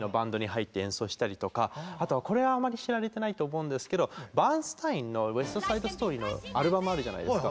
あとはこれはあまり知られてないと思うんですけどバーンスタインの「ウエスト・サイド・ストーリー」のアルバムあるじゃないですか。